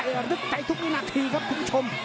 โดนตึกใจถึกใจทุกนี่หน้าทีครับคุณผู้ชม